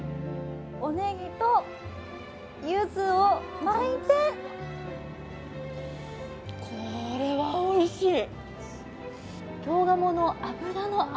おねぎと、ゆずを巻いてこれはおいしい。